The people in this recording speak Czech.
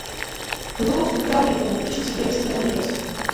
Hlubokou strukturální reformou totiž musí projít světové zemědělství.